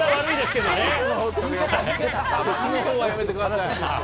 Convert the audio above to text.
けつのほうはやめてください。